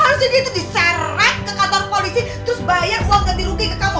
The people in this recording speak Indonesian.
harusnya dia itu diserek ke kantor polisi terus bayar uang ganti rugi ke kamu